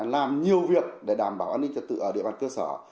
làm nhiều việc để đảm bảo an ninh trật tự ở địa bàn cơ sở